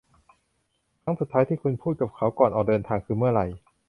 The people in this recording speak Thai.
ครั้งสุดท้ายที่คุณพูดกับเขาก่อนออกเดินทางคือเมื่อไหร่ ?